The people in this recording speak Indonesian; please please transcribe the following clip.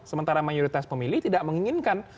sementara mayoritas pemilih tidak menginginkan